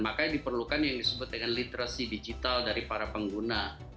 makanya diperlukan yang disebut dengan literacy digital dari para pengguna